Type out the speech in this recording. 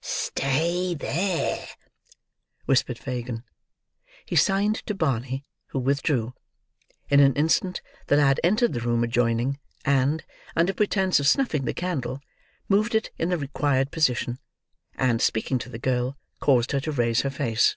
"Stay there," whispered Fagin. He signed to Barney, who withdrew. In an instant, the lad entered the room adjoining, and, under pretence of snuffing the candle, moved it in the required position, and, speaking to the girl, caused her to raise her face.